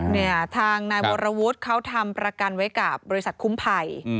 เนี่ยทางนายวรวุฒิเขาทำประกันไว้กับบริษัทคุ้มภัย